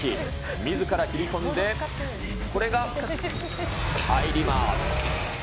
みずから切り込んで、これが入ります。